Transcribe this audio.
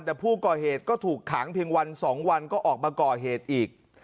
แต่ผู้ก่อเหตุก็ถูกขังเพียงวัน๒วันก็ออกมาก่อเหตุอีก